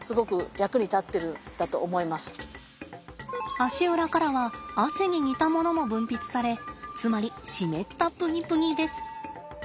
足裏からは汗に似たものも分泌されつまり湿ったプニプニです。